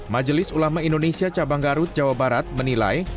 majelis ulama indonesia cabang garut jawa barat menilai